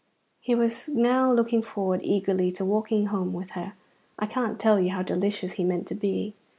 He was now looking forward eagerly to walking home with her. I can't tell you how delicious he meant to be.